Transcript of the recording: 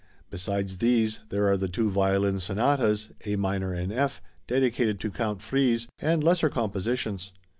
Besides these, there are the two violin sonatas, A minor, and F, dedicated to Count Fries, and lesser compositions.